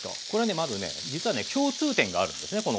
これはねまずね実はね共通点があるんですね